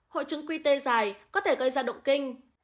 hộ trứng quy tê dài có thể gây ra động kinh